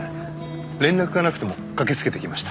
連絡がなくても駆けつけてきました。